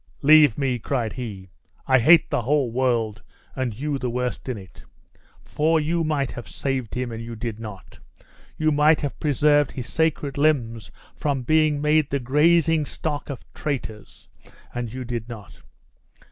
"Leave me!" cried he; "I hate the whole world, and you the worst in it; for you might have saved him, and you did not you might have preserved his sacred limbs from being made the gazing stock of traitors, and you did not.